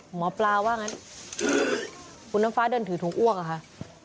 หมอปลาว่างั้นคุณน้ำฟ้าเดินถือถุงอ้วกเหรอคะ